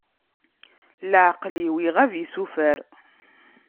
Leɛqel-iw iɣab isufer